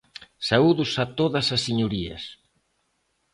Saúdos a todas as señorías.